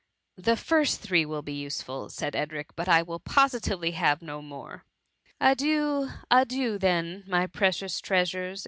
"*'" The three first will be useful,^' said Edric ;" but I will positively have no more.*" " Adieu ! adieu ! then, my precious trea sures!"